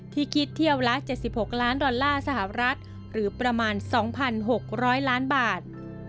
คิดเที่ยวละ๗๖ล้านดอลลาร์สหรัฐหรือประมาณ๒๖๐๐ล้านบาท